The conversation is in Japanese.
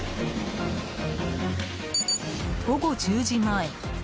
午後１０時前。